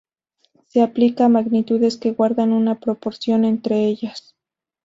Se aplica a magnitudes que guardan una proporción entre ellas.